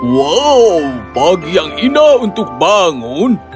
wow pagi yang indah untuk bangun